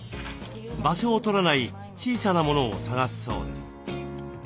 場所を取らない小さなモノを探すそうです。